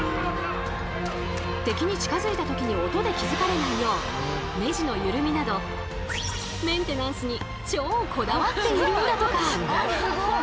敵に近づいた時に音で気付かれないようネジのゆるみなどメンテナンスに超こだわっているんだとか。